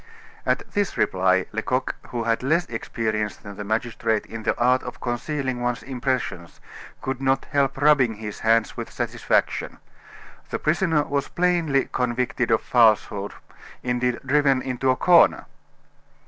At this reply Lecoq, who had less experience than the magistrate in the art of concealing one's impressions, could not help rubbing his hands with satisfaction. The prisoner was plainly convicted of falsehood, indeed driven into a corner.